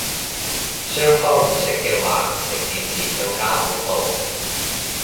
雙方唔識嘅話成件事更加恐怖